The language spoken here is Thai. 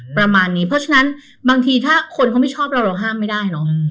ประมาณนี้เพราะฉะนั้นบางทีถ้าคนเขาไม่ชอบเราเราห้ามไม่ได้เนอะ